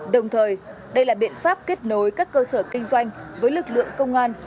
đồng thời đây là biện pháp kết nối các cơ sở kinh doanh với lực lượng công an